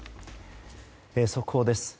速報です。